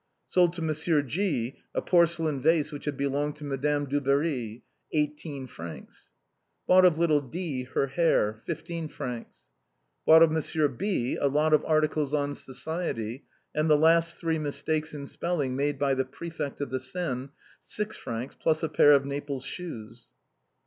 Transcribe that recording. Sold to ]\I, G , a porcelain vase which had belonged to Madame Dubarry. 18 fr. " Bought of little D , her hair. 15 fr. " Bought of M. B , a lot of articles on Society, and the last three mistakes in spelling made by the Prefect of the Seine. 6 fr., plus a pair of Naples shoes.